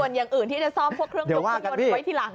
ส่วนอย่างอื่นที่จะซ่อมพวกเครื่องทุกเครื่องยนต์ไว้ทีหลัง